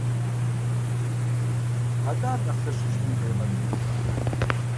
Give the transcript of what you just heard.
АтӀэ ар нэхъ лъэщу щытын хуейкъэ адрейхэм нэхърэ?».